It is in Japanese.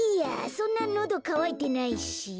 そんなのどかわいてないし。